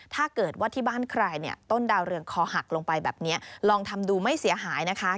ถ้าเกิดว่าที่บ้านใครเนี่ยต้นดาวเรืองคอหักลงไปแบบนี้ลองทำดูไม่เสียหายนะคะ